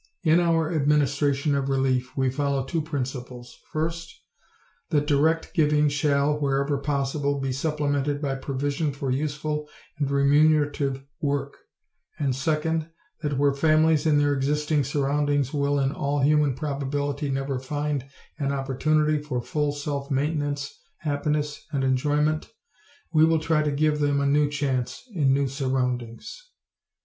In our administration of relief we follow two principles: First, that direct giving shall, wherever possible, be supplemented by provision for useful and remunerative work and, second, that where families in their existing surroundings will in all human probability never find an opportunity for full self maintenance, happiness and enjoyment, we will try to give them a new chance in new surroundings.